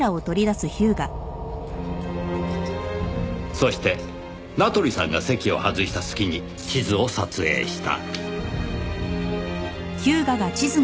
そして名取さんが席を外した隙に地図を撮影した。